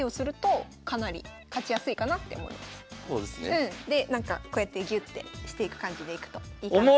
うんでなんかこうやってギュッてしていく感じでいくといいかな。